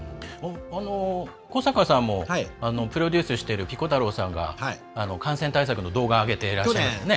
古坂さんもプロデュースしているピコ太郎さんが感染対策の動画を上げていらっしゃいますよね。